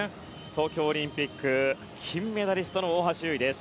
東京オリンピック金メダリストの大橋悠依です。